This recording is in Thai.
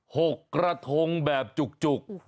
หกกระทงแบบจุก